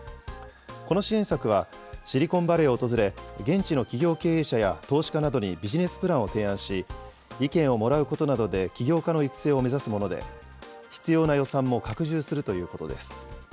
この支援策はシリコンバレーを訪れ、現地の企業経営者や投資家などにビジネスプランを提案し、意見をもらうことなどで起業家の育成を目指すもので、必要な予算も拡充するということです。